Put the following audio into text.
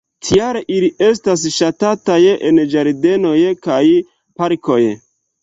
Tial ili estas ŝatataj en ĝardenoj kaj parkoj.